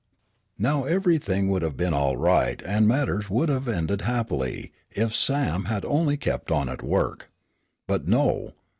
Now everything would have been all right and matters would have ended happily if Sam had only kept on at work. But, no.